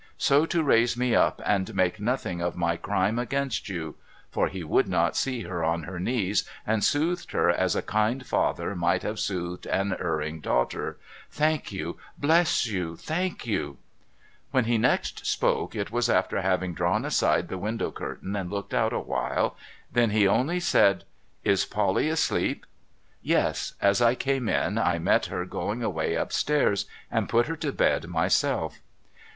So to raise me up and make nothing of my crime against you !'— for he would not see her on her knees, and soothed her as a kind father might have soothed an erring daughter—' thank you, bless you, thank you !' When he next spoke, it was after having drawn aside the window curtain and looked out awhile. Then he only said :' Is Polly asleep ?'' Yes. As I came in, I met her going away up stairs, and put her to bed myself.'